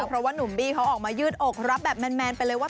เพราะว่านุ่มบี้เขาออกมายืดอกรับแบบแมนไปเลยว่า